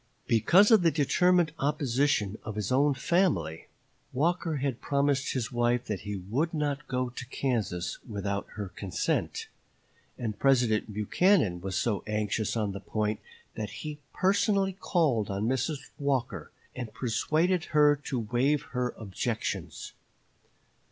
Because of the determined opposition of his own family, Walker had promised his wife that he would not go to Kansas without her consent; and President Buchanan was so anxious on the point that he personally called on Mrs. Walker and persuaded her to waive her objections.